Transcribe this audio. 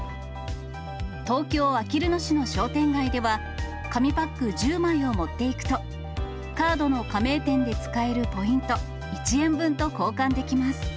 東京・あきる野市の商店街では、紙パック１０枚を持っていくと、カードの加盟店で使えるポイント１円分と交換できます。